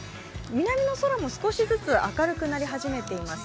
南の空も少しずつ明るくなり始めています。